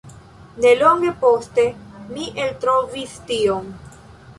Nelonge poste mi eltrovis tion.